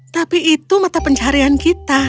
tapi itu mata pencarian kita